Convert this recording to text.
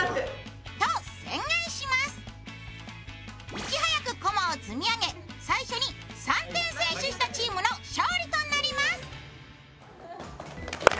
いち早く駒を積み上げ、最初に３点先取したチームの勝利となります。